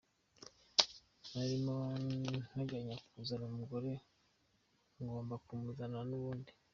Narimo nteganya kuzana umugore, ngomba kumuzana nubundi.